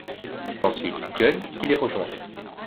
C'est ensuite Gunn qui les rejoint.